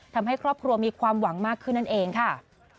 ทำให้ครอบครัวมีความหวังมากขึ้นนั่นเองค่ะ